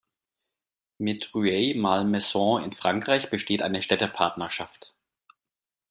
Mit Rueil-Malmaison in Frankreich besteht eine Städtepartnerschaft.